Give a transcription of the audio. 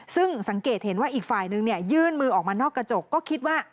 ซึ่งสังเกตเห็นว่าอีกฝ่ายนึงยื่นมือออกมานอกกระจกก็คิดว่า